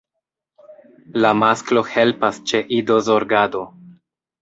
La masklo helpas ĉe idozorgado.